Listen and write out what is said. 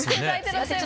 すいません。